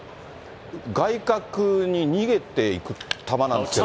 外角に逃げていく球なんですけど。